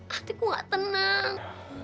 hatiku gak tenang